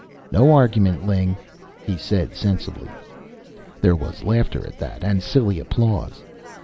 "No argument, Ling," he said sensibly. There was laughter at that, and silly applause.